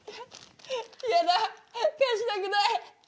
嫌だ貸したくない。